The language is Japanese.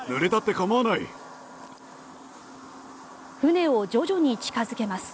船を徐々に近付けます。